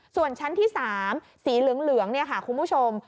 ส่วนชั้นที่๓สีเหลืองคุณผู้ชม